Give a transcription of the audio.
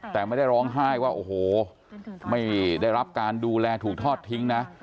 แต่ไม่ได้ร้องไห้ว่าโอ้โหไม่ได้รับการดูแลถูกทอดทิ้งนะ